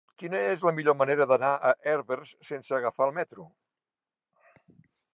Quina és la millor manera d'anar a Herbers sense agafar el metro?